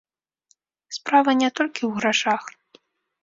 Справа не толькі ў грашах.